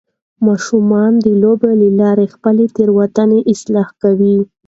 ماشومان د لوبو له لارې خپلې تیروتنې اصلاح کوي.